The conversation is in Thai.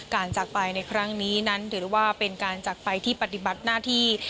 จากไปในครั้งนี้นั้นถือว่าเป็นการจักรไปที่ปฏิบัติหน้าที่